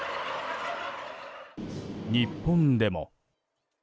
日本でも。